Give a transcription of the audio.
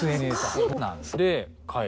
そうなんですか。